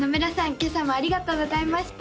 今朝もありがとうございました